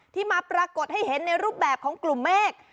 ที่มาปรากฏให้เห็นในรูปแบบของกลุ่มเมฆ